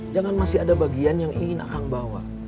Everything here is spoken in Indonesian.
jangan masih ada bagian yang ingin akan bawa